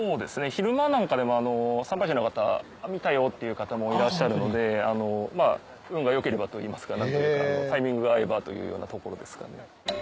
昼間なんかでも参拝者の方「見たよ」っていう方もいらっしゃるので運が良ければといいますかタイミングが合えばというようなところですかね。